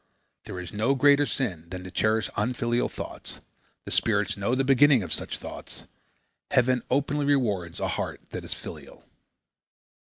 There is no greater sin than to cherish unfilial thoughts. The spirits know the beginning of such thoughts. Heaven openly rewards a heart that is filial."